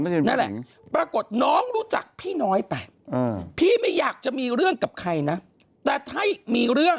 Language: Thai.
เด็กผู้หญิงใช่ไหม